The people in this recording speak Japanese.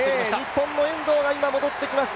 日本の遠藤が戻ってきました